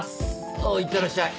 おういってらっしゃい。